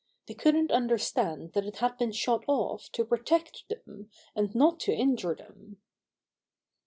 They couldn't understand that it had been shot off to protect them and not to injure them.